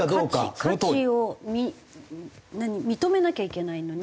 価値価値を認めなきゃいけないのに。